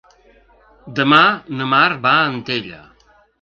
Demà na Mar va a Antella.